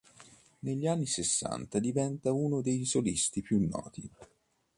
Negli anni settanta diventa uno dei solisti più noti.